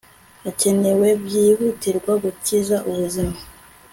hakenewe byihutirwa gukiza ubuzima